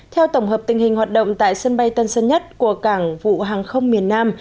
theo tổng hợp tình hình hoạt động tại sân bay tân sơn nhất của cảng vụ hàng không miền nam